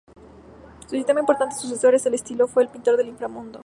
Su más importante sucesor en el estilo fue el Pintor del Inframundo.